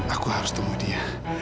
aku harus temui dia